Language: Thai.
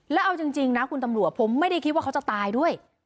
แล้วเอาจริงนะคุณตำรวจผมไม่ได้คิดว่าเขาจะตายด้วย